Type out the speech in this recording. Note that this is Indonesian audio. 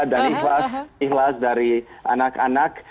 dan ikhlas dari anak anak